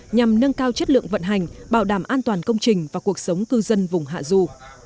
nhằm nâng cao chất lượng vận hành bảo đảm an toàn công trình và cuộc sống cư dân vùng hạ du